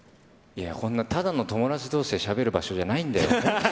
いや、こんなただの友達どうしでしゃべる場所じゃないんだよ。